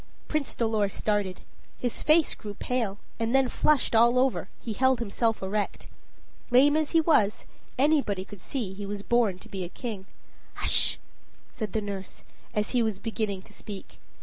Prince Dolor started. His face grew pale, and then flushed all over; he held himself erect. Lame as he was, anybody could see he was born to be a king. "Hush!" said the nurse, as he was beginning to speak.